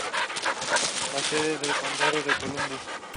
Es sede del condado de Columbus.